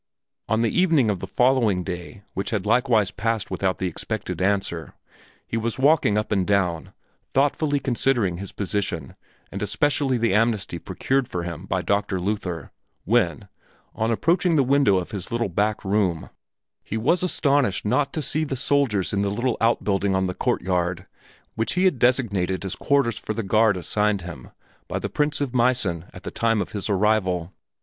On the evening of the following day, which had likewise passed without the expected answer, he was walking up and down, thoughtfully considering his position and especially the amnesty procured for him by Dr. Luther, when, on approaching the window of his little back room, he was astonished not to see the soldiers in the little out building on the courtyard which he had designated as quarters for the guard assigned him by the Prince of Meissen at the time of his arrival.